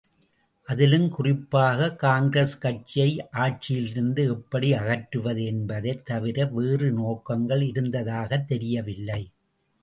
அதிலும் குறிப்பாக காங்கிரஸ் கட்சியை ஆட்சியிலிருந்து எப்படி அகற்றுவது என்பதைத் தவிர வேறு நோக்கங்கள் இருந்ததாகத் தெரியவில்லை.